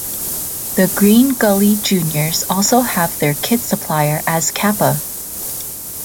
The green gully juniors also have their kit supplier as Kappa.